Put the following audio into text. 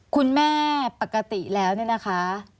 คุณแม่ปกติแล้วเนี่ยนะคะ